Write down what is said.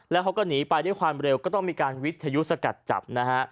แล้วเขาก็หนีไปด้วยความเร็วก็ต้องมีการวิทยุสกัดจับนะฮะ